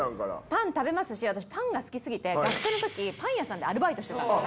パン食べますし、私、パンが好きすぎて、学生のとき、パン屋さんでアルバイトしてたんです。